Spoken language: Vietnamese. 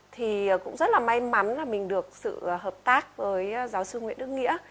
thì cũng rất là may mắn là mình được sự hợp tác với giáo sư nguyễn đức nghĩa